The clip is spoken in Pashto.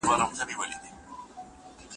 «این نموشه!»